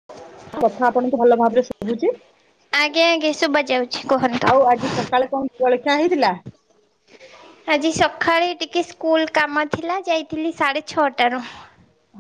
[unintelligible] କଥା ଆପଣଙ୍କୁ ଭଲ ଭାବରେ ଶୁବୁଚି ଆଜ୍ଞା ଆଜ୍ଞା ଶୁଭା ଯାଉଛି କୁହନ୍ତୁ। ଆଉ ଆଜି ସକାଳେ କଣ ଜଳଖିଆ ହେଇଥିଲା ଆଜି ସଖାଳେ ଟିକେ ସ୍କୁଲ କାମ ଥିଲା ଯାଇଥିଲି ସାଢ଼େ ଛଅଟାରୁ।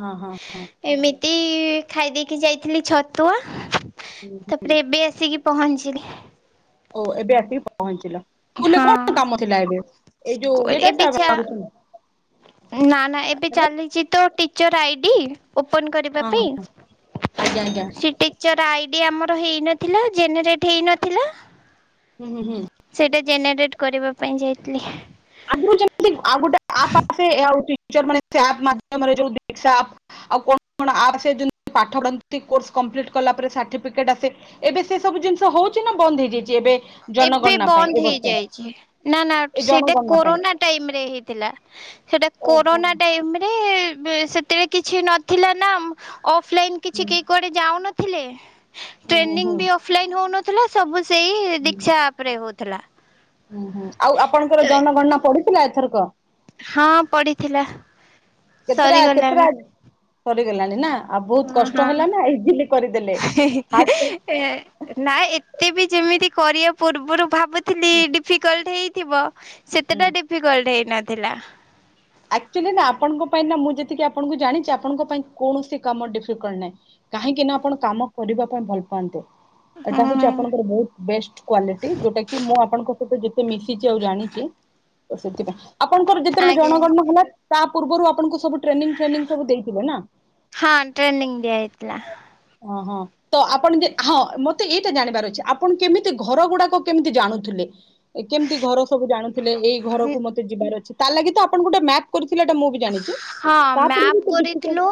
ହଁ ହଁ ହଁ। ଏମିତି ଖାଇ ଦେଇକି ଯାଇଥିଲି ଛତୁଆ ହୁଁ, ହୁଁ। ତାପରେ ଏବେ ଆସିକି ପହଁଞ୍ଚିଲି। ଓ ଏବେ ଆସିକି ପହଞ୍ଚିଲ? ସ୍କୁଲରେ କଣ ହଁ କାମ ଥିଲା ଏବେ ଏଇ ଯୋଉ ଏ ଟା ଏବେ ଟା ଚା ଆଉ କିଛି ନାହିଁ? ନା ନା ଏବେ ଚାଲିଚି ତ ଟି ଚର୍ ଆଇଡ଼ି ଓପନ୍ କରିବା ପାଇଁ ଆଜ୍ଞା ଆଜ୍ଞା ସି ଟିକ୍ ଟିଚର ଆଇଡ଼ି ଆମର ହେଇନଥିଲା ଜେନେରେଟ୍ ହେଇନଥିଲା। ହୁଁ ହୁଁ ହୁଁ। ସେଇଟା ଜେନେରେଟ୍ କରିବା ପାଇଁ ଯାଇଥିଲି। ଆଗରୁ ଯେମିତି ଆଉ ଗୋଟେ ଆପ୍ ଆସେ ଏହା ହେଉଚି ଟିଚରମାନେ ସେ ଆପ୍ ମାଧ୍ୟମରେ ଯୋଉ ଦିକ୍ଷା ଆପ୍ ଆଉ କଣ କଣ ଆପ୍ ଆସେ ଯେମିତି ପାଠ ପଢନ୍ତି କୋର୍ସ କପ୍ଟିଂ କଲା ପରେ ସାର୍ଟିଫିକେଟ ଆସେ ଏବେ ସେ ସବୁ ଜିନିଷ ହଉଛି ନା ବନ୍ଦ ହେଇଯାଇଛି ଏବେ ଏବେ ଜନଗଣନା ପାଇଁ ଏ ବନ୍ଦ ବର୍ଷ ହେଇଯାଇଛି ନା ନା ଏ ସେଇଟା ଜନଗଣନା କୋ ପାଇଁ କରୋନା ଟାଇମରେ ହେଇଥିଲା ସେଟା ଓହୋ କରୋନା ଟାଇମରେ ସେ ଏତେଳେ କିଛି ନଥିଲା ନା ମଁ ଅଫଲାଇନ କିଛି ହୁଁ କେହି କୁଆଡେ ଯାଉନଥିଲେ ହୁଁ ହୁଁ ଟ୍ରେନିଂ ହୁଁ ବି ଅଫ୍ ଲାଇନ ହେଉନଥିଲା ସବୁ ସେଇ ଦିକ୍ଷା ଆପ୍ ରେ ହଉଥିଲା। ହୁଁ ହୁଁ ଆଉ ଆପଣଙ୍କର ତ ଜନଗଣନା ପଡିଥିଲା ଏଥରକ। ହଁ ପଡିିଥିଲା କେତେଟା କେତେଟା ସରିଗଲାଣି। ସରିଗଲାଣି ନା ଆଉ ବହୁତ ହଁ କଷ୍ଟ ହଁ ହେଲା ନା ଇଜିଲି କରିଦେଲେ ଫାଷ୍ଟ ଏ ନା ଏତେ ବି ଯେମିତି କରିବା ପୂର୍ବରୁ ଭାବୁ ଥିଲି ଡିଫିକଲଟ ହେଇଥିବ ହୁଁ ସେତେଟା ଡିଫିକଲ୍ଟ ହେଇନଥିଲା। ଆକ୍ଚୁଆଲି ନା ଆପଣଙ୍କ ପାଇଁ ନା ମୁଁ ଯେତିକି ଆପଣଙ୍କୁ ଜାଣିଛି ଆପଣଙ୍କ ପାଇଁ କୌଣସି କାମ ଡିଫିକଲ୍ ନାହିଁ। କାହିଁକି ନା ଆପଣ କାମ କରିବା ପାଇଁ ଭଲ ପାଆନ୍ତେ ଏଟା ହୁଁ ହଉଛି ଆପଣଙ୍କର ବହୁତ୍ ବେଷ୍ଟ କ୍ଵାଲିଟି ଯୋଉଟା କି ମୁଁ ଆପଣଙ୍କ ସହିତ ଯେତେ ମିଶିଛି ଆଉ ଜାଣିଛି। ତ ସେଥିପାଇଁ ଆପଣଙ୍କର ଯେତେବେଳେ ଆଜ୍ଞା ଜଣଗଣନା ହେଲା ତା ପୂର୍ବରୁ ଆପଣଙ୍କୁ ସବୁ ଟ୍ରେନିଙ୍ଗ ଟ୍ରେନିଙ୍ଗ ସବୁ ଦେଇଥିଲେ ନା ହଁ ଟ୍ରେନିଂ ଦିଆ ହେଇଥିଲା ହଁ ହଁ। ତ ଆପଣ ଯେ ହଁ ମତେ ଏଇଟା ଜାଣିବାର ଅଛି ଆପଣ କେମିତି ଘର ଗୁଡାକ କେମିତି ଜାଣୁଥିଲେ। କେମିତି ଘର ସବୁ ଜାଣୁଥିଲେ ଏଇ ଘରକୁୁ ମତେ ଯିବାର ଅଛି ତା ଲାଗି ତ ଆପଣଙ୍କୁ ଗୋଟେ ମ୍ୟାପ୍ କରିଥିଲେ ଟା ମୁଁ ବି ଜାଣିଛି। ହଁ ତାପରେ ବି ତ ମ୍ୟାପ ଡିଫିକଲ୍ଟ କରିଥିଲୁ।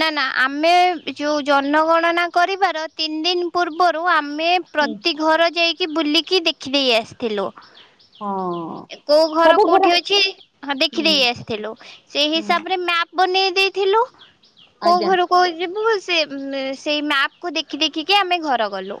ନା ନା ଆମେ ଯୋଉ ଜନଗଣନା କରିବାର ତିନି ଦିନ ପୂର୍ବ ତୋ ଆମେ ହୁଁ ପ୍ରତି ଘର ଯାଇକି ବୁଲିକି ଦେଖିଦେଇ ଆସିଥିଲୁ। ହଁ କୋଉ ଘର କୋଉଠି ଅଛି ହଁ ହୁଁ ଦେଖିଦେଇ ଆସିଥିଲୁ ସେଇ ହୁଁ ହିସାବରେ ମ୍ଯାପ ବନେଇ ଦେଇଥିଲୁ କୋଉ ଆଜ୍ଞା ଘର କୁ ଯିବୁ ସେ ସେଇ ମ୍ଯାପକୁ ଦେଖି ଦେଖିକି ଆମେ ଘର ଗଲୁ।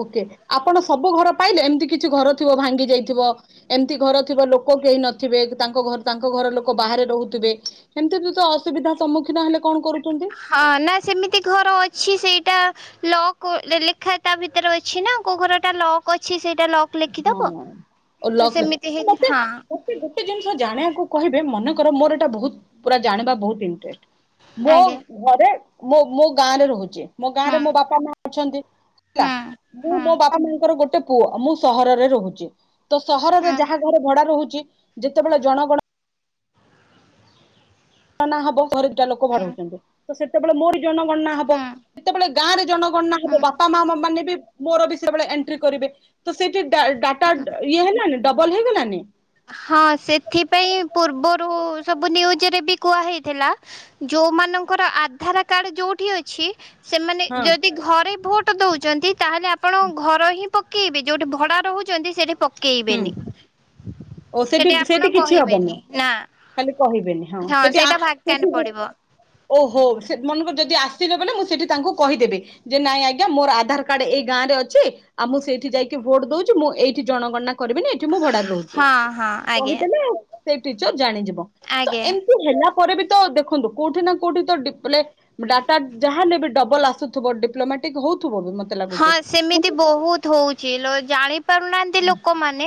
ଓକେ ଆପଣ ସବୁ ଘର ପାଇଲେ ଏମିତି କିଛି ଘର ଥିବ ଭାଙ୍ଗି ଯାଇଥିବ। ଏମିତି ଘର ଥିବା ଲୋକ କେହି ନଥିବେ ତାଙ୍କ ଘ ତାଙ୍କ ଘର ଲୋକ ବାହାରେ ରହୁଥିବେ। ଏମିତି ତ ଅସୁବିଧା ସମ୍ମୁଖୀନ ହେଲେ କଣ କରୁଛନ୍ତି? ହଁ ନା ସେମିତି ଘର ଅଛି ସେଇଟା ଲକ୍ ଲେଖା ତା ଭିତରେ ଅଛି ନା କୋଉ ଘରଟା ଲକ୍ ଅଛି ସେଇଟା ଲକ୍ ଲେଖିଦବ ହଁ ତ ଲକ୍ ସେମିତି ହେଇଥି ମତେ ହଁ। ମତେ ଗୋଟେ ଜିନିଷ ଜାଣିବାକୁ କହିବେ ମନେ କର ମୋର ଏଇଟା ବହୁତ ପୁରା ଜାଣିବା ବହୁତ ଇଣ୍ଟେଷ୍ଟ। ମୋ ଆଜ୍ଞା ଘରେ ମୋ ମୋ ଗାଁରେ ରହୁଛି ମୋ ହୁଁ ଗାଁରେ ମୋ ବାପା ମା ଅଛନ୍ତି। ହେଲା ହୁଁ ମୁଁ ହୁଁ ମୋ ବାପା ମାଙ୍କର ଗୋଟେ ପୁଅ ମୁଁ ସହରରେ ରହୁଛି। ତ ସହରରେ ହୁଁ ଯାହା ଘରେ ଭଡା ରହୁଛି ଯେତେବେଳେ ଜଣଗଣ ନା ହବ ଘରେ ଦୁଟା ଲୋକ [unintelligible] ହୁଁ ହଉଛନ୍ତି। ତ ସେତେବେଳେ ମୋରି ଜନଗଣନା ହବ। ହୁଁ ସେତେବେଳେ ଗାଁ ରେ ଜନଗଣନା ହବ ହୁଁ ହୁଁ ବାପା ମା ମାନେ ବି ମୋର ବି ସେବେଳେ ଏଣ୍ଟ୍ରି କରିବେ ତ ସେଇଠି ଡା ଡାଟା ଇଏ ହେଲାନି ଡବଲ ହେଇଗଲାନି। ହଁ ସେଥିପାଇଁ ପୂର୍ବରୁ ସବୁ ନିୟୁଜରେ ବି କୁହା ହେଇଥିଲା ଯୋଉମାନଙ୍କର ଆଧାର କାଡ ଯୋଉଠି ଅଛି ସେମାନେ ହଁ ଯଦି ଘରେ ଭୋଟ ଦଉଛନ୍ତି ତାହେଲେ ଆପଣ ହୁଁ। ଘର ହିଁ ପକେଇବେ ଯୋଉଠି ଭଡା ରହୁଛନ୍ତି ସେଠି ପକେଇବେନି। ଓଃ ସେଠି ଆପଣ ସେଇଠି କିଛି ହବନି। କହିବେନି ନା ତାହେଲେ କହିବେନି ହଁ ସେଠି ଆ ସେଇଟା ଭାକାଣ୍ଟ ସେଠି ପଡିବ ଓହୋ ସେ ମନେକର ଯଦି ଆସିଲେ ବୋଲେ ମୁଁ ସେଠି ତାଙ୍କୁ କହିଦେବି ଯେ ନାଇଁ ଆଜ୍ଞା ମୋର ଆଧାର କାର୍ଡ ଏଇ ଗାଁରେ ଅଛି ଆଉ ମୁଁ ସେଇଠି ଯାଇକି ଭୋଟ ଦଉଛି। ମୁଁ ଏଇଠି ଜଣଗଣନା କରିବିନି ଏଠି ମୁଁ ଭଡାରେ ରହୁଛି। ହଁ ହଁ ଆଜ୍ଞା କହିଦେଲେ ସେ ଟିଚର ଜାଣିଯିବ। ତ ଆଜ୍ଞା ଏମ ହେଲା ପରେ ବି ତ ଦେଖନ୍ତୁ, କୋଉଠି ନା କୋଉଠି ତ ଡିପ୍ଲେଗ ଡାଟା ଯାହାନେବେ ଡବଲ ଆସୁଥବ। ଡିପ୍ଲୋମାଟିକ ହଉଥବ। ମତେ ଲାଗୁଛି ହଁ ହଁ ସେମିତି ବୋହୁତ୍ ହଉଛି ଲୋ ଜାଣି ପାରୁନାହାନ୍ତି ଲୋକମାନେ,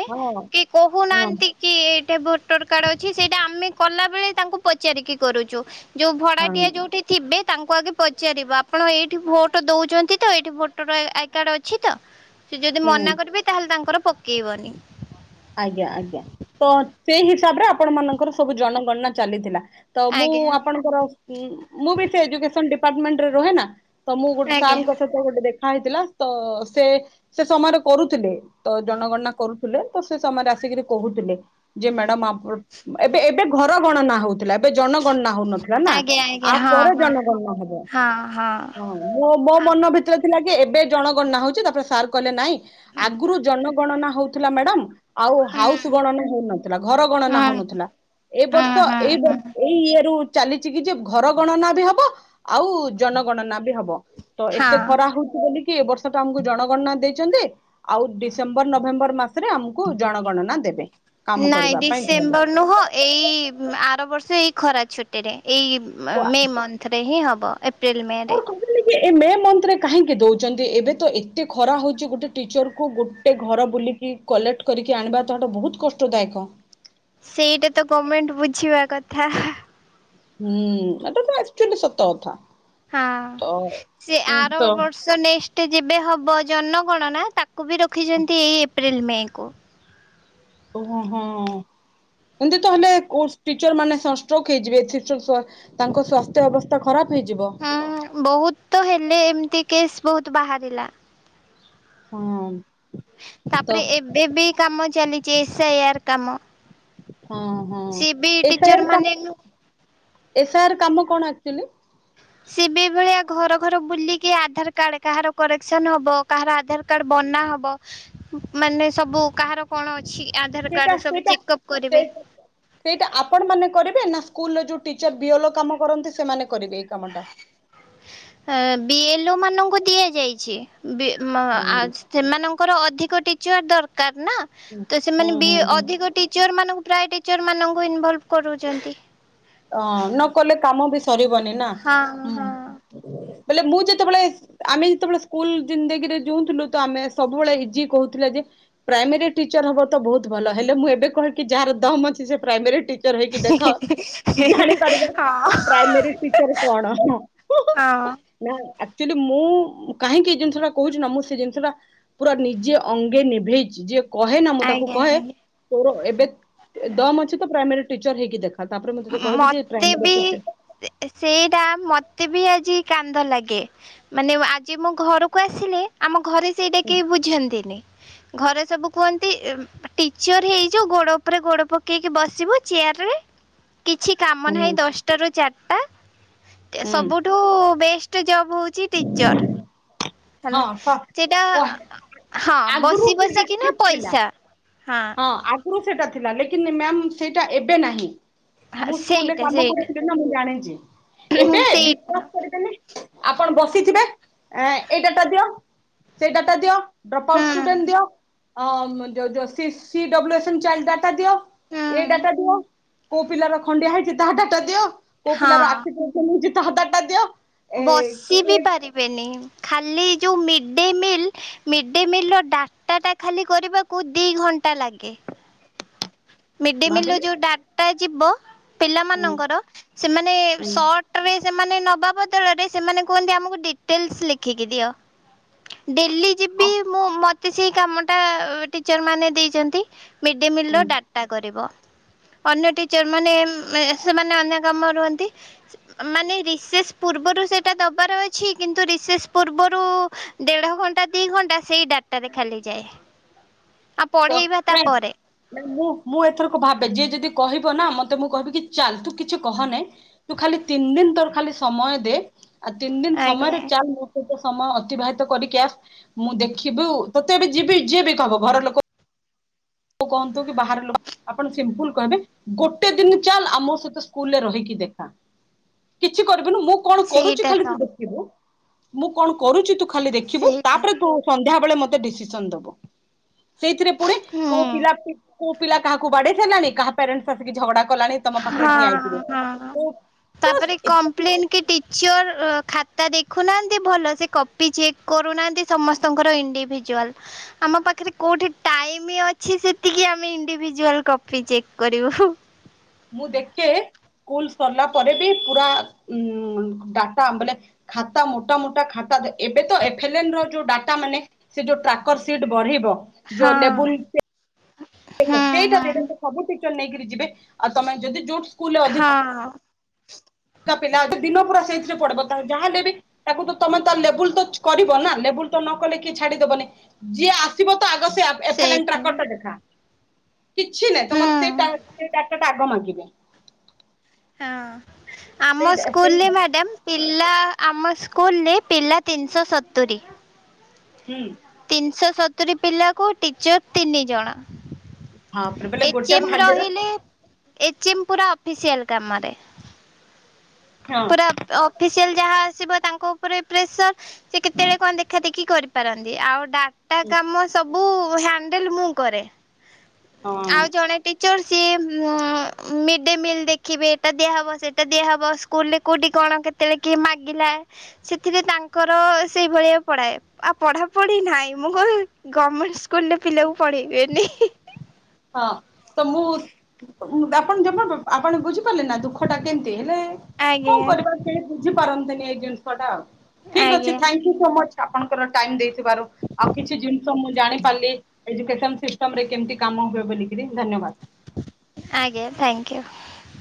କି ହଁ କହୁନାହାନ୍ତି କି ଏଇଟା ଭୋଟର କାର୍ଡ ଅଛି, ସେଇଟା ଆମେ କଲା ବେଳେ ତାଙ୍କୁ ପଚାରିକି କରୁଛୁ। ଯୋଉ ହଁ ଭଡ଼ାଟିଆ ଯଉଠି ଥିବେ, ତାଙ୍କୁ ଆଗେ ପଚାରିବ ଆପଣ ଏଇଠି ଭୋଟ ଦଉଛନ୍ତି ତ? ଏଇଠି ଟର ଆଇ କାର୍ଡ ଅଛି ତ? ସେ ଯଦି ହୁଁ ମନା କରିବେ, ତାହେଲେ ତାଙ୍କର ପକେଇବନି। ଆଜ୍ଞା ଆଜ୍ଞା। ତ ସେଇ ହିସାବରେ ଆପଣ ମାନଙ୍କର ସବୁ ଜନଗଣନା ଚାଲିଥିଲା। ତ ମୁଁ ଆଜ୍ଞା ଆପଣଙ୍କର, ମୁଁ ବି ସେ ଏଯୁକେଶନ ଡିପାଟମେଣ୍ଟରେ ରହେ ନା। ତ ମୁଁ ଗୋଟେ ସା ଆଜ୍ଞା [unintelligible] ଗୋଟେ ଦେଖା ହେଇଥିଲା। ତ ସେ ସେ ସମୟରେ କରୁଥିଲେ। ତ ଜନଗଣନା କରୁଥିଲେ। ତ ସେ ସେମାନେ ଆସିକିରି କହୁଥିଲେ। ଯେ ମାଡାମ ଆ ଏବେ ଏବେ ଘର ଗଣନା ହଉଥିଲା, ଏବେ ଜନ ଗଣନା ହଉନଥିଲା। ହେଲା ଆଜ୍ଞା ଆ ଆଜ୍ଞା ପରେ ହଁ ଜନଗଣନା ହବ। ହଁ। ମୋ ମୋ ହଁ। ମନ ଭିତରେ ଥିଲା କି ଏବେ ଜଣ ଗଣନା ହଉଛି, ତାପରେ ସାର୍ କହିଲେ ନାଇଁ। ଆଗୁରୁ ଜନଗଣନା ହଉଥିଲା ମ୍ୟାଡମ୍। ଆଉ ହୁଁ ହାଉସ୍ ଗଣନା ହଉନଥିଲା, ଘର ହୁଁ ଗଣନା ହଉନଥିଲା। ଏଇ ହୁଁ ବର୍ଷ ହୁଁ ଏଇ ହୁଁ ଇଏରୁ ଚାଲିଛି କି ଯେ ଘର ଗଣନା ବି ହବ? ଆଉ ଜନଗଣନା ବି ହବ। ତ ଏତେ ହଁ। ଖରା ହଉଛି ବୋଲି କି ଏ ବର୍ଷ ତ ଆମକୁ ଜଣଗଣନା ଦେଇଛନ୍ତି, ଆଉ ଡିସେମ୍ବର ନଭେମ୍ବର ମାସରେ ଆମକୁ କୁ ଜଣଗଣନା ଦେବେ। କାମ ନାଇଁ କରିବା ପାଇଁ ଡିସେମ୍ବର କହିଲେ। ନୁହଁ ଏଇ ଆର ବର୍ଷ ଏଇ ଖରା ଛୁଟିରେ। ଏଇ ମେ୍ ମନ୍ଥରେ ହିଁ ହେବ। ଏପ୍ରିଲ୍ ମୋର ମେରେ। ଏ ମେ ମନ୍ଥରେ କାହିଁକି ଦଉଛନ୍ତି? ଏବେ ତ ଏତେ ଖରା ହଉଛି ଗୋଟେ ଟିଚରକୁ ଗୋ ଗୋଟେ ଘର ବୁଲିକି, କଲେକ୍ଟ କରିକି ଆଣିବା ତ ହେଟା ବହୁତ କଷ୍ଟଦାୟକ। ସେଇଟା ତ ଗମେଣ୍ଟ ବୁଝିବା କଥା। ହୁଁ ଏଟା ତ ଆକ୍ଚୁଆଲି ସତ କଥା। ହଁ। ତ ସେ ଉଁ ଆର ତ ବର୍ଷ ସେ ନେକ୍ସ୍ଟେ ଯେବେ ହବ ଜନଗଣନା, ତାକୁ ବି ରଖିଛନ୍ତି ଏଇ ଏପ୍ରିଲ୍ ମେ କୁ। ଓହୋ ହୋ, ଏମତି ତ ହେଲେ କୋ ଟିଚର ମାନେ ସନଷ୍ଟୈ୍କ୍ ହେଇଯିବେ। [unintelligible] ତାଙ୍କ ସ୍ବାସ୍ଥ୍ୟ ଅବସ୍ଥା ଖରାପ ହେଇଯିବ। ଉଁ ବହୁତ ତ ହେଲେ ଏମିତି କେସ୍ ବୋହୁତ୍ ବାହାରିଲା। ହଁ। ତ ତାପରେ ଏବେ ବି କାମ ଚାଲିଛି ଏସ୍ ଇ ଆଇ କାମ। ହଁ ହଁ। ସିଏ ବି ଏସ୍ ଆଇ ର ଟିଚର ମାନେ କା-ଏସ୍। ଆଇ ର କାମ କଣ ଆକ୍ଚୁଆଲି? ସିଏ ବି ଏଭଳିଆ ଘର ଘର ବୁଲିକି ଆଧାର କାର୍ଡ କାହାର କରେକ୍ସନ ହବ, କାହାର ଆଧାର କ କାର୍ଡ ବନା ହବ ମାନେ ସବୁ କାହାର କଣ ଅଛି ଆଧାର ସେଇଟା କାର୍ଡ ସବୁ ସେଇଟା ଚେକ ଅପ୍ ସେ କରିବେ। ସେଇଟା ଆପଣ ମାନେ କରିବେ, ନା ସ୍କୁଲରେ ଯୋଉ ଟିଚର ବିୟଲ କାମ କରନ୍ତି ସେମାନେ କରିବେ ଏଇ କାମ ଟା ବିଏଲ ମାନଙ୍କୁ ଦିଆଯାଇଛି। ବି ମ ହୁଁ। ଆଜ୍ ସେମାନଙ୍କର ଅଧିକ ଟିଚର ଦରକାର ନା। ତ ହୁଁ ସେମାନେ ବି ହୁଁ ହୁଁ ଅଧିକ ଟିଚର ମାନଙ୍କୁ ପ୍ରାୟ ଟିଚର ମାନଙ୍କୁ ଇନଭଲଭ କରୁଚନ୍ତି। ଅଁ ନ କଲେ କାମ ବି ସରିବନି ନା। ହଁ ହୁଁ ହଁ। ବୋଲେ ମୁଁ ଯେତେବେଳେ ଆମେ ଯେତେବେଳେ ସ୍କୁଲ ଜିନ୍ଦଗିରେ ଯଉଥିଲୁ ତ ଆମେ ସବୁବେଳେ ଇଜି କହୁଥିଲେ ଯେ ପ୍ରାଇମେରୀ ଟିଚର ହବ ତ ବହୁତ ଭଲ। ହେଲେ ମୁଁ ଏବେ କହେକି ଯାହାର ଦମ ଅଛି ସେ ପ୍ରାଇମେରୀ ଟିଚ ଚର ହେଇକି ଦେଖ। ଜାଣିପାରିବେ ହଁ ପ୍ରାଇମେରୀ ଟିଚର କଣ? ହଁ ନା ଆକ୍ଚୁଆଲି ମୁଁ କାହିଁକି ଏଇ ଜିନିଷ ଟା କହୁଚି ନା ମୁଁ ସେ ଜିନିଷଟା ପୁରା ନିଜେ ଅଙ୍ଗେ ନିଭେଇଚି ଯେ କହେ ନା ମୁଁ ତାକୁ ଆଜ୍ଞା କହେ ଆଜ୍ଞା। ତୋର ଏବେ ଦମ ଅଛି ତ ପ୍ରାଇମେରୀ ଟିଚର ହେଇକି ଦେଖା ତାପରେ ମ ଉଁ ଉଁ ମତେ ବି ସେଇଟା ମତେ ବି ଆଜି କାନ୍ଦ ଲାଗେ। ମାନେ ଆଜି ମୁଁ ଘରକୁ ଆସିଲେ ଆମ ଘରେ ସେଇଟା ହୁଁ କେହି ବୁଝନ୍ତିନି। ଘରେ ସବୁ କୁହନ୍ତି ଟିଚର ହେଇଯ। ଗୋଡ ଉପରେ ଗୋଡ ପକେଇକି ବସିବୁ ଚେୟାର ରେ। କିଛି କାମ ନାହିଁ ଦଶଟାରୁ ଚାରିଟା ହୁଁ। ସବୁଠୁ ବେଷ୍ଟ ଟେ ଜବ ହଉଚି ଟିଚର। ହଁ ହେଲା ସ ସେଇଟା ୱା ହଁ ଆଗରୁ ବସି ସେଇଟା ବସିିକିନା ଠିକ୍ ଥିଲା। ପଇସା। ହଁ। ହଁ ଆଗରୁ ସେଟା ଥିଲା, ଲେକିନ ମାମ ସେଟା ଏବେ ନାହିଁ। ମୁଁ ସ୍କୁଲ ରେ ସେଇଟା କାମ କରି ସେଇଟା ଦେ ଖ ନା ମୁଁ ଜାଣିଚି। ଏବେ ବିଶ୍ୱାସ ସେଇଟା କରିବେନି ଆପଣ ବସିଥିବେ ଅ ଏଇ ଡାଟା ଦିଅ ସେଇ ଡାଟା ଦିଅ। ଡ୍ରପ ଆଉଟ ହୁଁ ଷ୍ଟୁଡେଣ୍ଟ ଦିଅ ଅ ଯୋ ଯୋ C C W S child data ଦିଅ। ଏଇ ହୁଁ। ଡାଟା ଦିଅ କୋଉ ପିଲାର ଖଣ୍ଡିଆ ହେଇଚି ତାହା ଡାଟା ଦିଅ। କୋ ପିଲାର ଆଖି ହଁ ପ୍ରୋବେଲମ ହଉଚି ତା ଡ଼ାଟା ଦିଅ। ଏ ବସି ବି ପାରିବେନି ଖାଲି ଯୋଉ mid day meal mid day meal ର ଡାଟାଟା ଖାଲି କରିବାକୁ ଦି ଘଣ୍ଟା ଲାଗେ। [inaudible] ମିଡ ଡେ ମିଲ ର ଭାବିଲି ଯୋଉ ଡାଟା ଯିବ ହୁଁ ପିଲାମାନଙ୍କର ସେମାନେ ହୁଁ। ସଟ ରେ ସେମାନେ ନବା ବଦଳରେ ସେମାନେ କୁହନ୍ତି ଆମକୁ ଡିଟେଲସ ଲେଖିକି ଦିଅ। ଡେଲି ଅ ଯିବି ମୁ ମତେ ସେଇ କାମ ଟା ଟିଚର ମାନ ଦେଇଚନ୍ତି। ମିଡ଼୍ ଡେ ମିଲ୍ ର ହୁଁ ଡାଟା କରିବ। ଅନ୍ୟ ଟିଚର ମାନେ ଏ ଉ ସେମାନେ ଅନ୍ୟ କାମରେ ରୁହନ୍ତି ମାନେ ଏ ରିସେସ ପୂର୍ବରୁ ସେଟା ଦବାର ଅଛି କିନ୍ତୁ ରିସେଶ୍ ପୂର୍ବରୁ ଦେଢ ଘଣ୍ଟା ଦି ଘଣ୍ଟା ସେଇ ଡାଟାରେ ଖାଲିଯାଏ। ତତ୍ କାଳ ନା ମୁଁ ମୁଁ ଏଥରକ ଭାବେ ଯିଏ ଯଦି କହିବ ନା ମତେ ମୁଁ କହିବି କି ଚାଲ ତୁ କିଛି କହନାଇଁ। ତୁ ଖାଲି ତିନି ଦିନ ତୋର ଖାଲି ସମୟ ଦେ। ଆଉ ତିନି ଦିନ ଆଜ୍ଞା ସମୟରେ ଚାଲ ତ ସମୟ ଅତିବାହିତ କରିକି ଆ ମୁଁ ଦେଖିବୁ ତତେ ଏବେ ଯିବି ଯିଏ ବି କହିବ ଘର ଲୋକ କ କହନ୍ତୁ କି ବାହାର ଲୋ ଆପଣ ସିମ୍ପଲ କହିବେ ଗୋଟେ ଦିନ ଚାଲ ଆମ ସହିତ ସ୍କୁଲରେ ରହିକି ଦେଖା। କିଛି କରିବିନୁ ମୁଁ କଣ କରୁଚି ସେଇଟା ଖାଲି ତୁ ତ ଦେଖିବୁ ମୁଁ କଣ କରୁଚି ତୁ ଖାଲି ଦେଖିବୁ ସେଇଟା ତାପରେ ତୁ ସନ୍ଧ୍ୟାବେେଳେ ମତେ ଡିସିସନ ଦବ। ସେଇଥିରେ ପୁଣି ହୁଁ କୋଉ ପିଲା ପି କୋଉ ପିଲା କାହାକୁ ବାଡେଇ ସାରିଲାଣି। କାହା ପ୍ୟାରେଣ୍ଟସ ଆସିକି ଝଗଡା କଲାଣି। ତମ ହଁ ପାଖରେ ଠିଆ ହେଇଥିବେ ହଁ କୋଉ ତ ତାପରେ ଏତେ କମ୍ପ୍ଲେନ୍ କି ଟିଚର ଅ ଖାତା ଦେଖୁନାହାନ୍ତି ଭଲ ସେ କପି ଚେକ୍ କରୁନାହାନ୍ତି। ସମସ୍ତଙ୍କର ଇଣ୍ଡିଭିଜୁଆଲ। ଆମ ପାଖରେ କୋଉଠି ଟାଇମି ଅଛି ସେତିକି ଆମେ ଇଣ୍ଡିଭିଜୁଆଲ୍ କଫି ଚେକ୍ କରିବୁ ହୁଁ। ମୁଁ ଦେକେ ସ୍କୁଲ ସରିଲା ପରେ ବି ପୁରା ଉଁ ଡାଟା ବେଲେ ଖାତା ମୋଟା ମୋଟା ଖାତା ଏବେ ତ ଏଫ୍-ଏଲ୍-ଏନ୍ ର ଯୋଉ ଡାଟା ମାନେ ସେ ଯୋଉ ଟ୍ରାକର୍ ସିଟ୍ ବଢିବ ଯୋ ହଁ ଲେବୁଲ୍ [unintelligible] ସେଟା ହୁଁ ସେଇଟା ହୁଁ ସବୁ ଟିଚର୍ ନେଇ କିରି ଯିବେ ଆଉ ତମେ ଯଦି ଯୋଉ ସ୍କୁଲ୍ ର୍ ହଁ। ତା ପିଲା ଦିନ ପୁରା ସେଇଥିରେ ପଢିବ ତା ଯାହା ହେଲେ ବି ତାକୁ ତ ତମେ ତା ଲେବୁଲ୍ ତ କରିବ ନା ଲେବୁଲ୍ ତ ନ କଲେ କିଏ ଛାଡିଦବନି ଯିଏ ଆସିବ ତ ଆଗ ସେ ଆ ସେଇତ ଏଫେ-ଏଲ୍-ଏନ୍ ଟ୍ରାକର ହୁଁ ଟା ଦେଖା କିଛି ନାଇଁ ତମର ସେଇ ଟା ହଁ। ସେ ଡାଟା ଟା ଆଗ ମାଗିବେ। ହଁ ଆମ ସେଇ ସେଇ ସ୍କୁଲ୍ ଲେ ମ୍ୟାଡ଼ାମ୍ ପିଲା ଆମ ସ୍କୁଲ୍ ଲେ ପିଲା ତିନିଶ ସତୁରି। ହୁଁ ତିନିଶ ସତୁରୀ ପିଲାକୁ ଟିଚର୍ ତିନି ଜଣ। ହଁ ବୋଲେ ଗୋଟେ ଏଚ ଏମ୍ ଭାଗରେ ରହିଲେ ଏଚ ଏମ୍ ପୁରା ଅଫିସିଆଲ୍ କାମରେ। ହଁ ଅପ୍ ଅଫିସିଆଲ ଯାହା ଆସିବ ତାଙ୍କ ଉପରେ ପ୍ରେସର୍ ସେ କେତେବେଳେ କଣ ଦେଖା ଦେଖି କରିବ୍ କରନ୍ତି ଆଉ ଡାଟା କାମ ସବୁ ହ୍ୟାଣ୍ଡେଲ୍ ମୁଁ କରେ। ଉଁ ଆଉ ହଁ। ଜଣେ ଟିଚର୍ ସିଏ ଉଁମ ମିଡ୍ ଡେ ମିଲ୍ ଦେଖିବେ ଏଇଟା ଦିଆହବ ସେଇଟା ଦିଆହବ କୁଲ୍ ରେ କୋଉଟି କଣ କେତେବେଳେ କିଏ ମାଗିଲା ସେଥିରେ ତାଙ୍କର ସେଇଭଳିଆ ପଢାଏ ଆଉ ପଢାପଢି ନାହିଁ ମୁଁ [unintelligible] ଗମେଣ୍ଟ୍ ସ୍କୁଲ ରେ ପିଲାକୁ ପଢେଇବେନି ହି। ହଁ ତ ମୁଁ [unintelligible] ଆପଣ ଯମାଟୁ ଆପଣ ବୁଝିପାରିଲେ ନା ଦୁଃଖ ଟା କେମତି ହେଲେ କଁ ଆଜ୍ଞା କରିବା ସେ ବୁଝିପାରନ୍ତିନି ଏଇ ଜିନିଷ ଟା ଆଉ ଠିକ୍ ଅଛି ଆଜ୍ଞା ଥାଙ୍କ୍ ୟୁ [unintelligible] ଆପଣଙ୍କର ଟାଇମ୍ ଦେଇଥିବାରୁ। ଆଉ କିଛି ଜିନିଷ ମୁଁ ଜାଣି ପାଲଲି ଏଜୁକେସନ୍ ସିଷ୍ଟମ୍ ରେ କେମିତି କାମ ହୁଏ ବୋଲି କିରି ଧନ୍ୟବାଦ୍। ଆଜ୍ଞ ଥ୍ୟାଙ୍କ୍ ୟୁ।